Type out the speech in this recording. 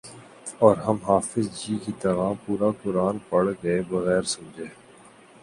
اور ہم حافظ جی کی طرح پورا قرآن پڑھ گئے بغیر سمجھے